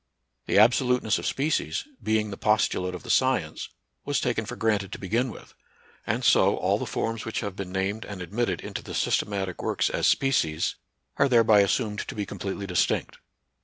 The absoluteness of species, being the postulate of the science, was taken for granted to begin with; and so all the forms which have been named and admitted into the 40 NATURAL SCIENCE AND RELIGION. systematic works as species, are thereby assumed to be completely distinct.